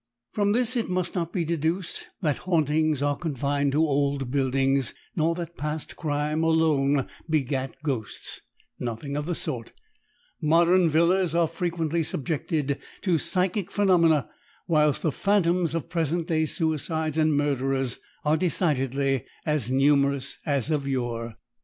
From this it must not be deduced that hauntings are confined to old buildings nor that past crime alone begat ghosts; nothing of the sort, modern villas are frequently subjected to psychic phenomena whilst the phantoms of present day suicides and murderers are decidedly as numerous as of yore.